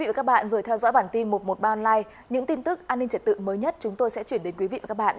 một trăm một mươi ba online những tin tức an ninh trật tự mới nhất chúng tôi sẽ chuyển đến quý vị và các bạn